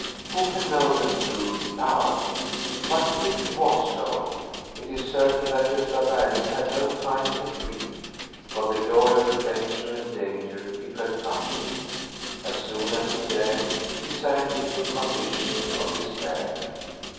Who can know the truth now? But if it was so, it is certain that Gosta Berling had no time to grieve. Of the joy of adventure and danger he felt nothing. As soon as he dared, he sank into a condition of despair.